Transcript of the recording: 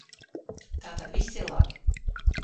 Tātad viss ir labi.